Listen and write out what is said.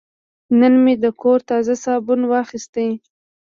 نن مې د کور تازه صابون واخیست.